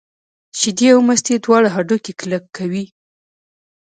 شیدې او مستې دواړه هډوکي کلک کوي.